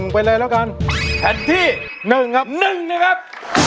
๑ไปเลยแล้วกันแผ่นที่๑ครับ